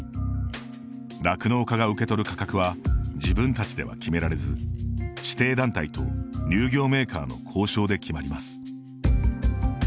酪農家が受け取る価格は自分たちでは決められず指定団体と乳業メーカーの交渉で決まります。